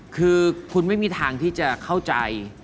คือคุณไม่มีทางที่จะเข้าใจ